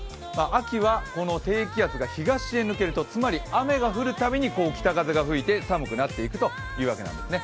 秋はこの低気圧が東へ抜けると、つまり雨が降るたびに北風が吹いて寒くなっていくというわけなんですね。